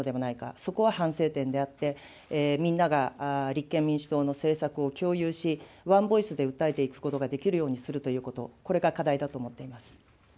そこは反省点であって、みんなが立憲民主党の政策を共有し、ワンボイスで訴えていくことができるようにするということ、これが課題だと思っています。